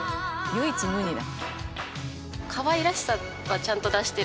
唯一無二だ。